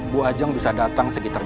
bu ajang bisa datang sekitar jam sepuluh